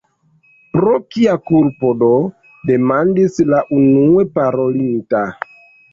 "Pro kia kulpo do?" demandis la unue parolinta.